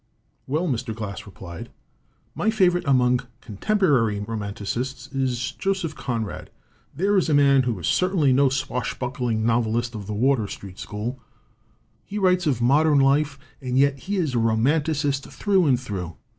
"Well," Mr. Glass replied, "my favorite among contemporary romanticists is Joseph Conrad. There is a man who is certainly no swashbuckling novelist of the Wardour Street school. He writes of modern life, and yet he is a romanticist through and through.